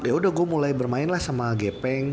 ya udah gue mulai bermain lah sama gepeng